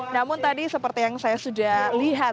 namun tadi seperti yang saya sudah lihat